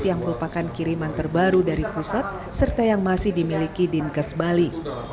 yang merupakan kiriman terbaru dari pusat serta yang masih dimiliki dinkes bali